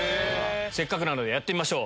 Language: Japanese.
せっかくなのでやってみましょう。